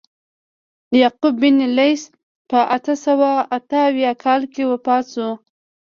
یعقوب بن لیث په اته سوه اته اویا کال کې وفات شو.